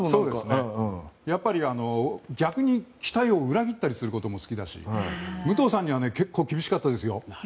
やっぱり、逆に期待を裏切ったりすることも好きだし武藤さんには結構厳しかったですよ。